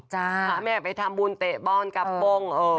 หาแม่ไปทำบุญเตะบ้อนกับป้งเออ